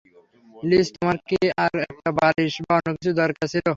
লিস, তোমার কি আর একটা বালিশ বা অন্য কিছু দরকার ছিল?